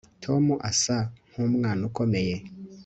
tom asa nkumwana ukomeye